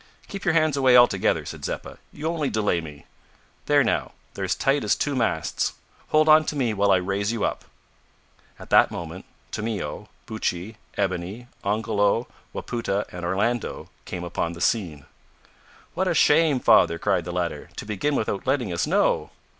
"Keep your hands away altogether," said Zeppa; "you only delay me. There now, they're as tight as two masts. Hold on to me while I raise you up." At that moment Tomeo, Buttchee, Ebony, Ongoloo, Wapoota, and Orlando came upon the scene. "What a shame, father," cried the latter, "to begin without letting us know!"